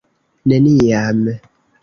neniam